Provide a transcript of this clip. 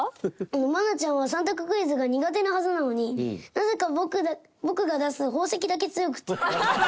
愛菜ちゃんは３択クイズが苦手なはずなのになぜか僕が出す宝石だけ強くて。